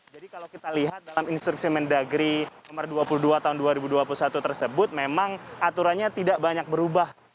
jadi kalau kita lihat dalam instruksi mendagri nomor dua puluh dua tahun dua ribu dua puluh satu tersebut memang aturannya tidak banyak berubah